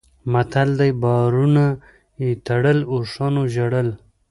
متل دی: بارونه یې تړل اوښانو ژړل.